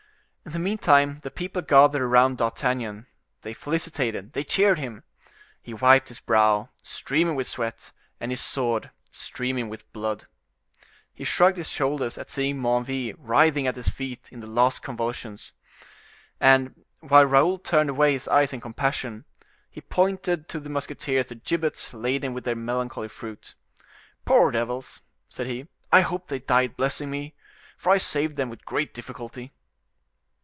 In the meantime the people gathered around D'Artagnan,—they felicitated, they cheered him. He wiped his brow, streaming with sweat, and his sword, streaming with blood. He shrugged his shoulders at seeing Menneville writhing at his feet in the last convulsions. And, while Raoul turned away his eyes in compassion, he pointed to the musketeers the gibbets laden with their melancholy fruit. "Poor devils!" said he, "I hope they died blessing me, for I saved them with great difficulty."